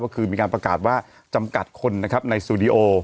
ก็คือมีการประกาศว่าจำกัดคนนะครับในสตูดิโอ